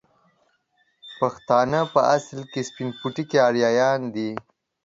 پښتانه په اصل کې سپين پوټکي اريايان دي